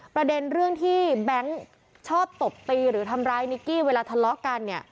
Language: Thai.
ประเด็นเรื่องที่แบงค์ชอบตบตีหรือทำร้ายนิกกี้เวลาทะเลาะกันเนี่ย